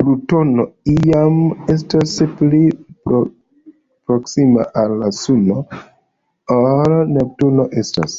Plutono iam estas pli proksima al Suno ol Neptuno estas.